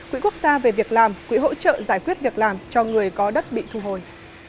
quỹ quốc gia về việc làm quỹ hỗ trợ giải quyết việc làm cho người có đất bị thu hồi